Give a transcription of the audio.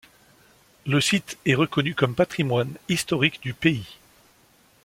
Le site est reconnu comme patrimoine historique du pays.